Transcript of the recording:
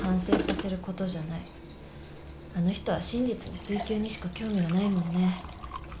あの人は真実の追求にしか興味がないもんね。